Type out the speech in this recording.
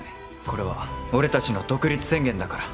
これは俺たちの独立宣言だから。